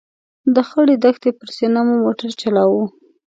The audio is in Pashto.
د خړې دښتې پر سینه مو موټر چلاوه.